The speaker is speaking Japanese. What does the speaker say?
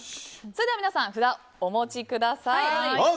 それでは皆さん札をお持ちください。